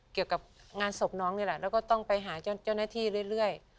เกี่ยวกับงานศพน้องนี่แหละแล้วก็ต้องไปหาเจ้าหน้าที่เรื่อย